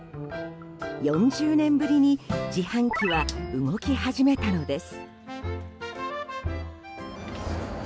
４０年ぶりに自販機は動き始めたのです。